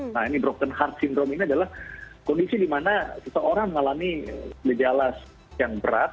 nah ini broken heart syndrome ini adalah kondisi dimana seseorang mengalami legialis yang berat